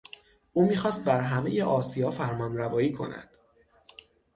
او میخواست بر همهی آسیا فرمانروایی کند.